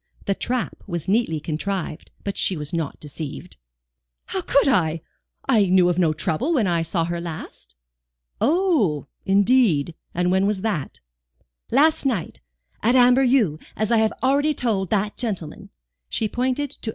The trap was neatly contrived, but she was not deceived. "How could I? I knew of no trouble when I saw her last." "Oh, indeed? and when was that?" "Last night, at Amberieux, as I have already told that gentleman." She pointed to M.